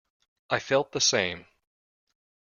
I felt the same.